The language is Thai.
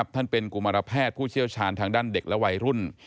ท่านเป็นกุมารแพทย์ผู้เชี่ยวชาญทางด้านเด็กและวัยรุ่น